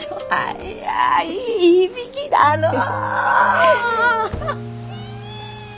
あやーいい響きだのう。